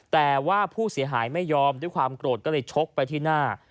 แต่ว่าผู้เสียหายไม่ยอมด้วยความโกรธก็เลยชกไปที่หน้า